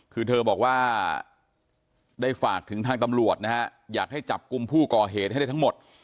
คือเธอบอกว่าได้ฝากถึงทางตำรวจนะฮะอยากให้จับกลุ่มผู้ก่อเหตุให้ได้ทั้งหมด